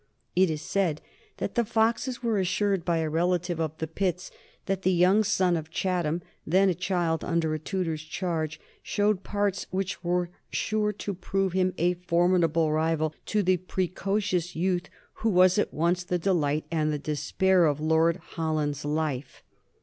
It is said that the Foxes were assured by a relative of the Pitts that the young son of Chatham, then a child under a tutor's charge, showed parts which were sure to prove him a formidable rival to the precocious youth who was at once the delight and the despair of Lord Holland's life.